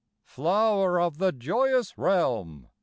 Flower of the joyous realm!